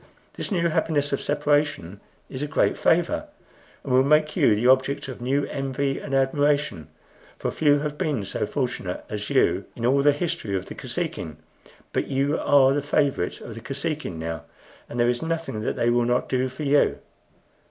This new happiness of separation is a great favor, and will make you the object of new envy and admiration; for few have been so fortunate as you in all the history of the Kosekin. But you are the favorite of the Kosekin now, and there is nothing that they will not do for you."